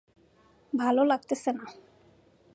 ভালো লাগছে না।